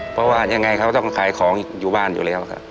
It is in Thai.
เพราะว่ายังไงเขาต้องขายของอยู่บ้านอยู่แล้วครับ